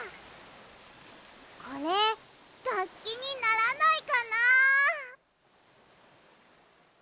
これがっきにならないかな。